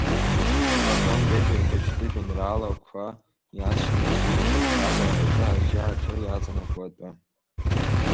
Платон Бебиа ихәыҷтәы жәеинраалақәа иаҵшьны иазгәеиҭоит аԥсҭазаараҿы аџьа аҿы иаҵанакуа атәы.